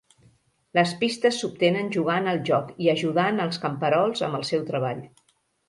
Les pistes s'obtenen jugant al joc i ajudant els camperols amb el seu treball.